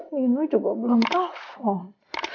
minuh juga belum telfon